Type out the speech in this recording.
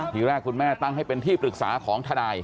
ทีแรกคุณแม่ตั้งให้เป็นที่ปรึกษาของทนาย